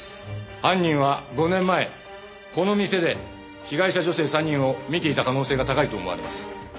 犯人は５年前この店で被害者女性３人を見ていた可能性が高いと思われます。